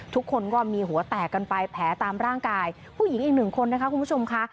ทุกคนก็มีหัวแตกกันไปแผลตามร่างกายผู้หญิงอีกหนึ่งคนนะคะคุณผู้ชมค่ะ